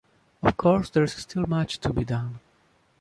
Of course, there is still much to be done.